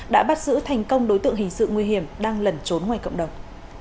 đã bắt giữ thành công đối tượng hình sự nguy hiểm đang lẩn trốn ngoài cộng đồng